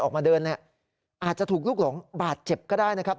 ออกมาเดินเนี่ยอาจจะถูกลูกหลงบาดเจ็บก็ได้นะครับ